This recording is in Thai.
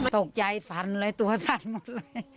ตกใจสั่นเลยตัวสั่นหมดเลย